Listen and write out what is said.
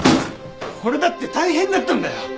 俺だって大変だったんだよ！